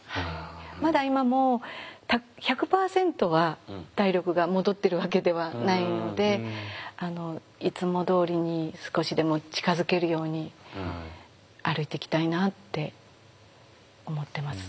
まだ今も１００パーセントは体力が戻ってるわけではないのでいつもどおりに少しでも近づけるように歩いていきたいなって思ってます。